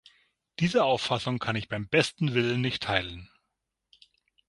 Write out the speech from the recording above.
Diese Auffassung kann ich beim besten Willen nicht teilen.